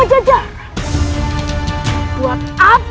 kau yang di belakang